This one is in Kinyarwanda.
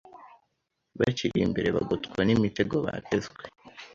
Bakiri imbere bagotwa n’imitego batezwe